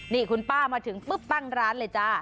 นี่คุณป้ามาถึงปุ๊บตั้งร้านเลยจ้า